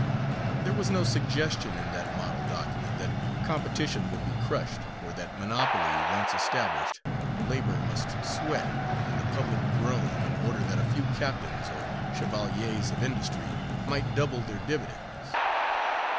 There was no suggestion, in that model document, that competition would be crushed, or that, monopoly once established, labour must sweat and the public groan in order that a few captains, or chevaliers, of industry, might double their dividends.